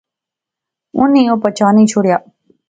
اُنی او پچھانی شوڑیا